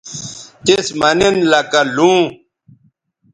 تِس مہ نن لکہ لوں